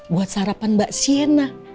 buat sarapan mbak sienna